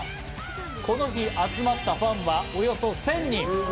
この日集まったファンはおよそ１０００人。